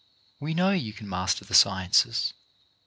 We know you can master the sciences.